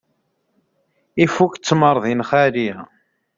Ifukk ttmeṛ di nnxali.